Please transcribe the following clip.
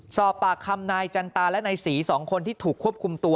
สอบปากคำนายจันตาและนายศรี๒คนที่ถูกควบคุมตัว